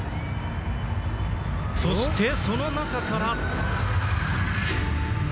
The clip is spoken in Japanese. そして、その中から。